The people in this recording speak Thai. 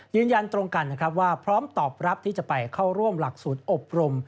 ยืนยันตรงกันนะครับว่าพร้อมตอบรับที่จะไปเข้าร่วมหลักศูนย์อบรม